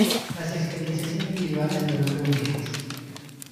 Las experiencias individuales fueron reunidas.